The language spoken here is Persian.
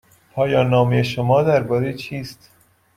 پایان نامه شما درباره چیست؟